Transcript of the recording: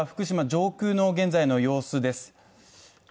こちらが福島上空の現在の様子です。